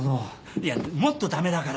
いやもっと駄目だから。